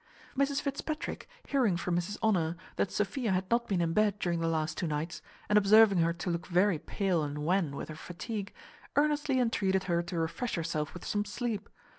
Mrs Fitzpatrick, hearing from Mrs Honour that Sophia had not been in bed during the two last nights, and observing her to look very pale and wan with her fatigue, earnestly entreated her to refresh herself with some sleep.